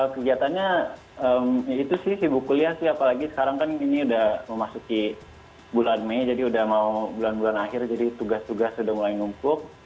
kegiatannya itu sih sibuk kuliah sih apalagi sekarang kan ini udah memasuki bulan mei jadi udah mau bulan bulan akhir jadi tugas tugas sudah mulai numpuk